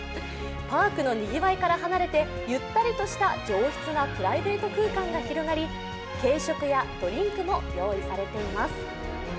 パークのにぎわいから離れてゆったりとした上質なプライベート空間が広がり、軽食やドリンクも用意されています。